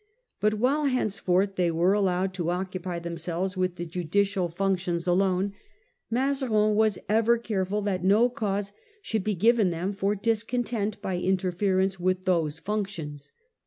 But while henceforth they were allowed to occupy themselves with the judicial 7 * 1654. Conclusion of the Fronde. functions alone, Mazarin was ever careful that no cause should be given them for discontent by interference with those functions.